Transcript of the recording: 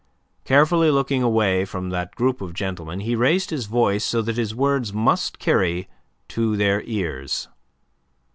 Carefully looking away from that group of gentlemen, he raised his voice so that his words must carry to their ears.